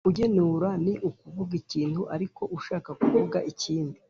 Kugenura ni ukuvuga ikintu ariko ushaka kuvuga ikindi